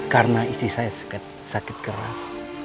karena istri saya sakit keras